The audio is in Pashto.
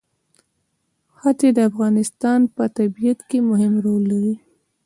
ښتې د افغانستان په طبیعت کې مهم رول لري.